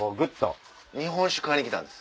日本酒買いに来たんです。